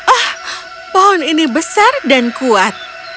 oh pohon ini besar dan kuat